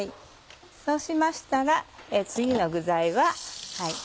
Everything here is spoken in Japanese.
そうしましたら次の具材は。